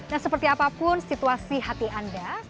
nah seperti apa pun situasi hati anda